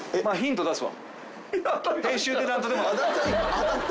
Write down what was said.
当たった。